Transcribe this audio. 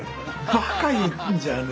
「バカ言ってんじゃねえ」